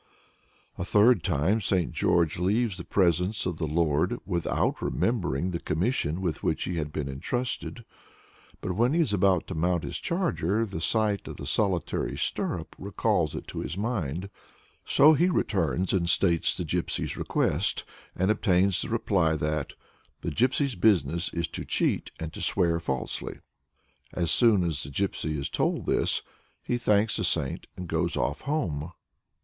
A third time St. George leaves the presence of the Lord without remembering the commission with which he has been entrusted. But when he is about to mount his charger the sight of the solitary stirrup recalls it to his mind. So he returns and states the Gypsy's request, and obtains the reply that "the Gypsy's business is to cheat and to swear falsely." As soon as the Gypsy is told this, he thanks the Saint and goes off home.